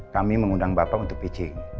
kami mengundang bapak untuk pc